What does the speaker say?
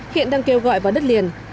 hiện đang kêu gọi vào đất liền